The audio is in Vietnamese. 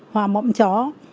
hoa mọng chó